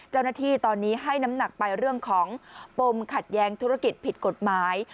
เจ้าหน้าที่ตอนนี้ให้น้ำหนักไปเรื่องของปมขัดแย้งธุรกิจผิดกฎหมาย